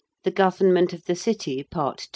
THE GOVERNMENT OF THE CITY. PART II.